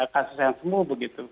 kasus yang sembuh begitu